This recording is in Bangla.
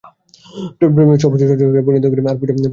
প্রেমের স্বভাব হচ্ছে প্রণতি আর পূজা, প্রতিদানে প্রেম কিছু চায় না।